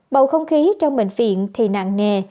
bầu không khí trong bệnh viện thì nặng nề